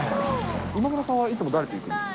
今村さんはいつも誰と行くんですか？